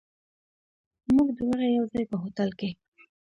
موږ دواړه یو ځای، په هوټل کې.